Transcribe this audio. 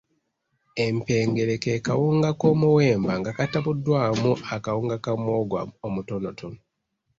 Empengere ke kawunga k’omuwemba nga katabuddwamu akawunga ka muwogo omutonotono.